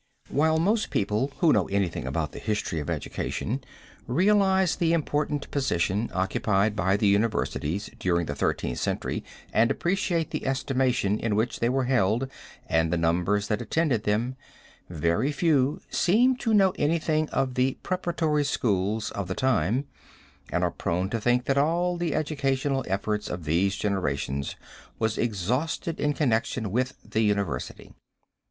While most people who know anything about the history of education realize the important position occupied by the universities during the Thirteenth Century and appreciate the estimation in which they were held and the numbers that attended them, very few seem to know anything of the preparatory schools of the time, and are prone to think that all the educational effort of these generations was exhausted in connection with the university.